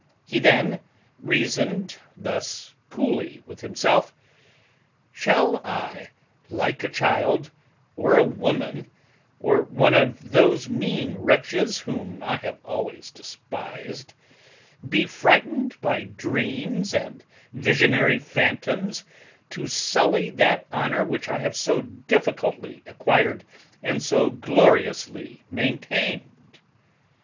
He then reasoned thus coolly with himself: "Shall I, like a child, or a woman, or one of those mean wretches whom I have always despised, be frightened by dreams and visionary phantoms to sully that honour which I have so difficultly acquired and so gloriously maintained?